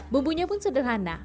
bumbunya pun sederhana